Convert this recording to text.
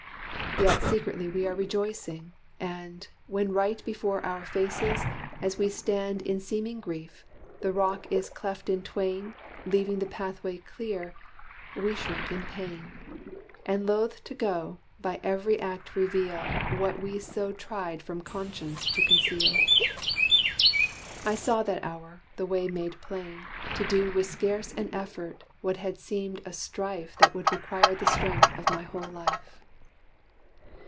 Yet secretly we are rejoicing: and, When right before our faces, as we stand In seeming grief, the rock is cleft in twain, Leaving the pathway clear, we shrink in pain! And loth to go, by every act reveal What we so tried from Conscience to conceal. I saw that hour, the way made plain, to do With scarce an effort, what had seemed a strife That would require the strength of my whole life.